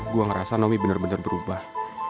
gue ngerasa naomi bener bener berubah